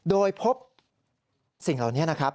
โดยพบสิ่งเหล่านี้นะครับ